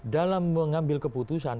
dalam mengambil keputusan